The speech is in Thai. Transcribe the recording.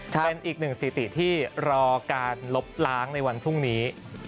เป็นอีกหนึ่งสถิติที่รอการลบล้างในวันพรุ่งนี้